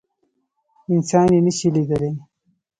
انسان يي نشي لیدلی